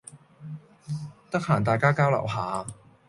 得閒大家交流下